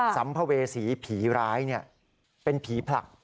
สัมภเวษีผีร้ายเป็นผีผลัก